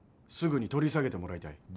すぐに取り下げてもらいたい。